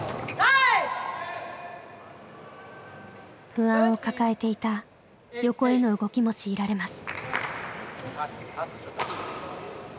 不安を抱えていた横への動きも強いられます。